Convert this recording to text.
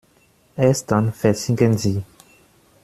Erst dann versinken sie.